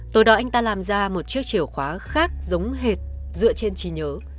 tôi đó anh ta làm ra một chiếc chìa khóa khác giống hệt dựa trên trí nhớ